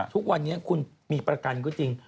ทุกวันนี้คุณมีประกันก็จริง